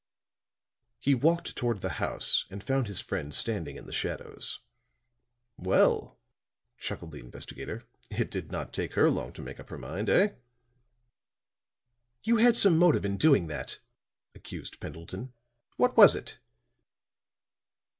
He walked toward the house and found his friend standing in the shadows. "Well," chuckled the investigator, "it did not take her long to make up her mind, eh?" "You had some motive in doing that," accused Pendleton. "What was it?"